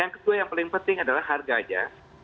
yang kedua yang paling penting adalah harganya